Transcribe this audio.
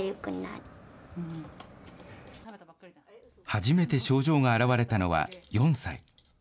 初めて症状が現れたのは４歳。